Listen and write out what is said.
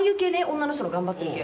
女の人が頑張ってる系。